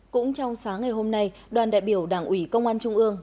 cũng trong sáng ngày hôm nay đoàn đại biểu đảng ủy công an trung ương